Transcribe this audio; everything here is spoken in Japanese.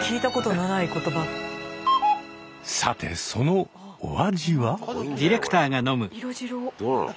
さてそのお味は？